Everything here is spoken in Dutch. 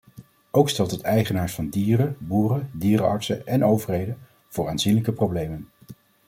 Ook stelt het eigenaars van dieren, boeren, dierenartsen en overheden voor aanzienlijke problemen.